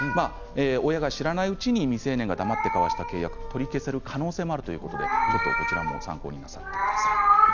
親が知らないうちに未成年が黙って交わした契約を取り消せる可能性があるということで参考にしてください。